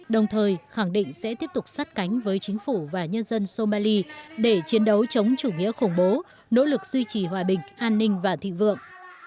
đồng thời khẳng định sẽ tiếp tục sát cánh với chính phủ và nhân dân somalia để chiến đấu chống chủ nghĩa khủng bố nỗ lực duy trì hòa bình an ninh và thịnh vượng